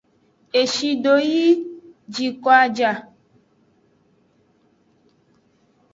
Eshi do yi jiko a ja.